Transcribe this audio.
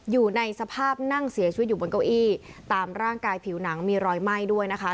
อยู่ในสภาพนั่งเสียชีวิตอยู่บนเก้าอี้ตามร่างกายผิวหนังมีรอยไหม้ด้วยนะคะ